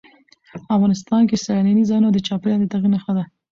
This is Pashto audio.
افغانستان کې سیلاني ځایونه د چاپېریال د تغیر نښه ده.